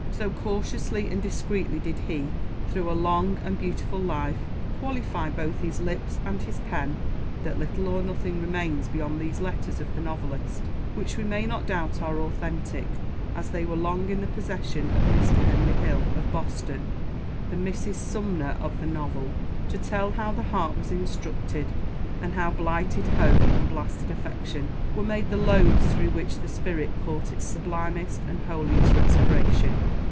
So cautiously and discreetly did he, through a long and beautiful life, qualify both his lips and his pen, that little or nothing remains beyond these letters of the novelist which we may not doubt are authentic, as they were long in the possession of Mrs. Henry Hill, of Boston, the "Mrs. Sumner" of the novel to tell how the heart was instructed, and how blighted hope and blasted affection were made the lobes through which the spirit caught its sublimest and holiest respiration.